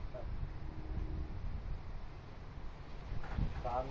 สวัสดีครับ